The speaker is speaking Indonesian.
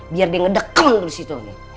biar dia ngedekel disitu nih